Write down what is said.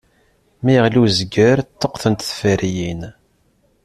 Mi iɣli uzger, ṭṭuqqtent tferyin.